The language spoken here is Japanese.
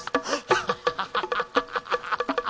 ハハハハ。